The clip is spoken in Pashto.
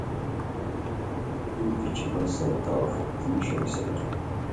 کوم کې چې بل سره توافق ته نشو رسېدلی